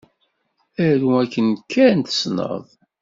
Aru akken kan tessneḍ.